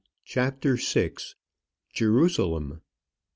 CHAPTER VI. JERUSALEM.